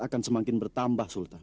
akan semakin bertambah sultan